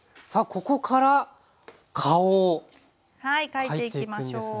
描いていきましょう。